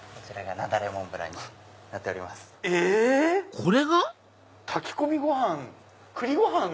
これが⁉炊き込みご飯栗ご飯。